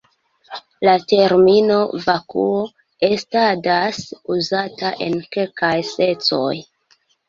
La termino "vakuo" estadas uzata en kelkaj sencoj.